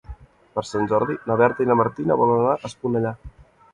Per Sant Jordi na Berta i na Martina volen anar a Esponellà.